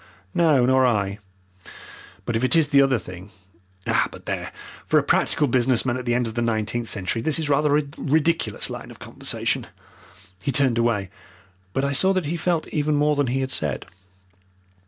"No, nor I. But if it is the other thing but there, for a practical business man at the end of the nineteenth century this is rather a ridiculous line of conversation." He turned away, but I saw that he felt even more than he had said.